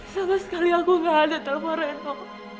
sama sekali aku gak ada telpon reno